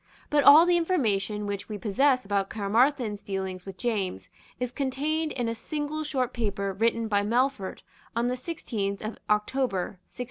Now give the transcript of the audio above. But all the information which we possess about Caermarthen's dealings with James is contained in a single short paper written by Melfort on the sixteenth of October 1693.